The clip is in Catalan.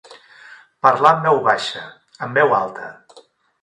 Parlar en veu baixa, en veu alta.